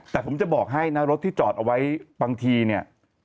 แต่ผมจะบอกให้นะรถที่จอดเอาไว้บางทีเนี่ย